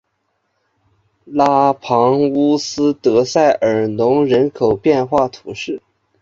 拉庞乌斯德塞尔农人口变化图示